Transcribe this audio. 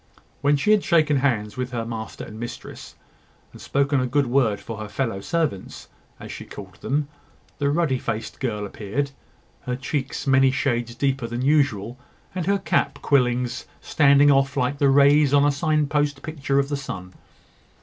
When she had shaken hands with her master and mistress, and spoken a good word for her fellow servants, as she called them, the ruddy faced girl appeared, her cheeks many shades deeper than usual, and her cap quillings standing off like the rays on a sign post picture of the sun.